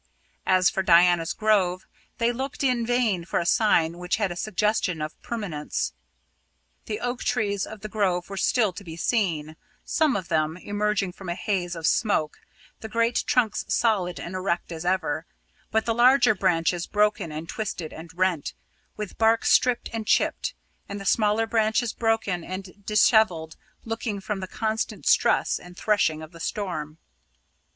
As for Diana's Grove, they looked in vain for a sign which had a suggestion of permanence. The oak trees of the Grove were still to be seen some of them emerging from a haze of smoke, the great trunks solid and erect as ever, but the larger branches broken and twisted and rent, with bark stripped and chipped, and the smaller branches broken and dishevelled looking from the constant stress and threshing of the storm.